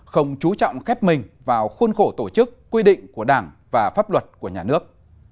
không chú trọng khép mình vào khuôn khổ tổ chức quy định của đảng và pháp luật của nhà nước